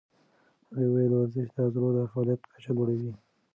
هغې وویل ورزش د عضلو د فعالیت کچه لوړوي.